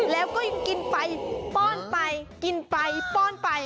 แล้วก็ยังกินไปป้อนไปกินไปป้อนไป